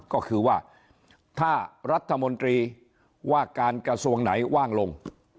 ก็คือว่าถ้ารัฐมนตรีว่าการกระทรวงไหนว่างลง